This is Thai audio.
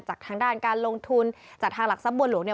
ทางด้านการลงทุนจากทางหลักทรัพย์บัวหลวงเนี่ย